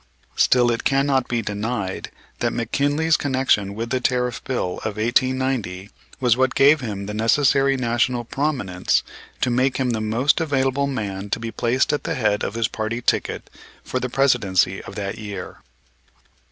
Still it cannot be denied that McKinley's connection with the Tariff Bill of 1890 was what gave him the necessary national prominence to make him the most available man to be placed at the head of his party ticket for the Presidency that year.